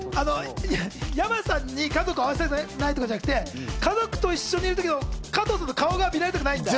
山さんに家族を会わせたくないんじゃなくて家族と一緒にいる時の加藤さんの顔を見られたくないんだ？